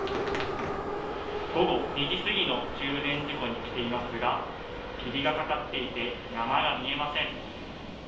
午後２時過ぎの中禅寺湖に来ていますが霧がかかっていて山が見えません。